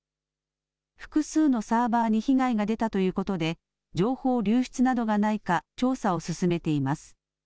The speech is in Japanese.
複数のサーバーに被害が出たということで情報流出などがないか調査を進めています。